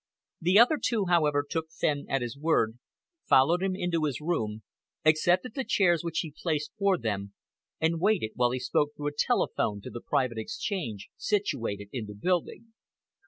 The other two, however, took Fenn at his word, followed him into his room, accepted the chairs which he placed for them, and waited while he spoke through a telephone to the private exchange situated in the building.